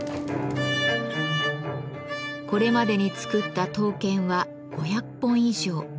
これまでに作った刀剣は５００本以上。